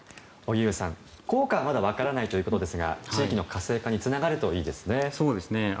荻上さん、効果はまだわからないということですが地域の活性化につながるといいですね。